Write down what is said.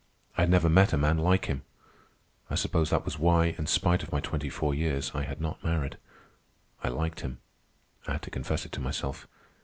I had never met a man like him. I suppose that was why, in spite of my twenty four years, I had not married. I liked him; I had to confess it to myself.